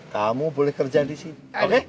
kamu boleh kerja disini oke